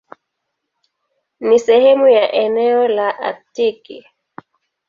Ni sehemu ya eneo la Aktiki.